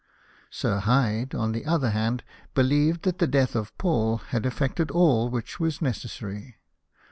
Sir Hyde, on the other hand, believed that the death of Paul had effected all which was necessary.